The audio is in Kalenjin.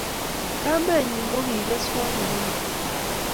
kamenyi koki koswot nebo keny